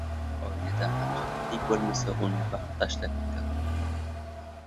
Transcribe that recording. • Oilada hamjihatlik bo‘lmasa, uni baxt tashlab ketar.